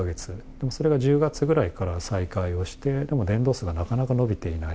でもそれが１０月ぐらいから再開をして、でもでも伝道数がなかなか伸びていない。